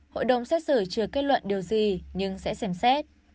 hội đồng xét xử chưa kết luận điều gì nhưng sẽ xem xét